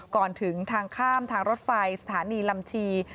ก่อนถึงทางข้ามทางรถไฟสถานีลำชี